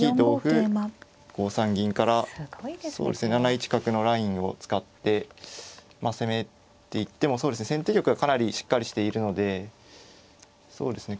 ７一角のラインを使って攻めていってもそうですね先手玉がかなりしっかりしているのでそうですね